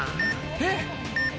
えっ！